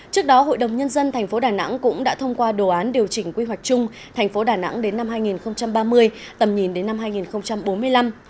trước đó hội đồng nhân dân thành phố đà nẵng cũng đã thông qua đồ án điều chỉnh quy hoạch chung thành phố đà nẵng đến năm hai nghìn ba mươi tầm nhìn đến năm hai nghìn bốn mươi năm